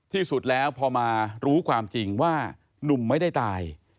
ที่สุดแล้วพอมารู้ความจริงว่านุ่มไม่ได้ตาย